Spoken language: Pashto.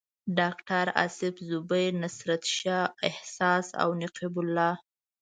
ډاکټر اصف زبیر، نصرت شاه احساس او نقیب الله.